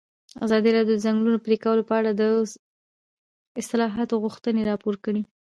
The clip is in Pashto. ازادي راډیو د د ځنګلونو پرېکول په اړه د اصلاحاتو غوښتنې راپور کړې.